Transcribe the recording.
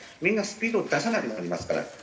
みんなスピードを出さなくなりますから。